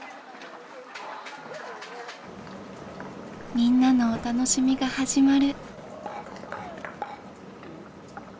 みんなのお楽しみが始まる。